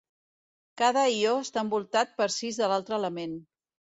Cada ió està envoltat per sis de l'altre element.